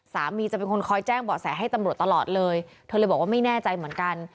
จะเป็นคนคอยแจ้งเบาะแสให้ตำรวจตลอดเลยเธอเลยบอกว่าไม่แน่ใจเหมือนกัน